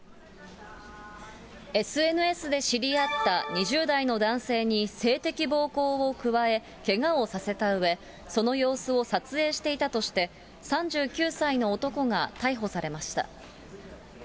ＳＮＳで知り合った２０代の男性に性的暴行を加え、けがをさせたうえ、その様子を撮影していたとして、３９歳の男が逮捕されました。